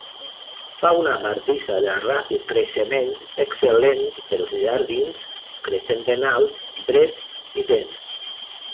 Fa una bardissa de ràpid creixement excel·lent pels jardins, creixent ben alt, dret i dens.